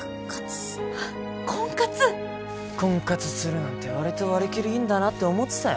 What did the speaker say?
婚活するなんて割と割り切りいいんだなって思ってたよ